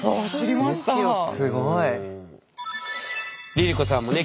ＬｉＬｉＣｏさんもね